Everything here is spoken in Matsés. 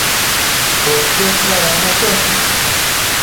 podquied sadacno